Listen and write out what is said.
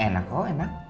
enak oh enak